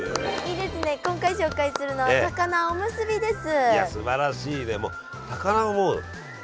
今回紹介するのは高菜おむすびです。